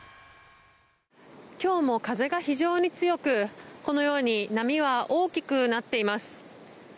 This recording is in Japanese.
今日も風が非常に強くこのように波は大きくなっています。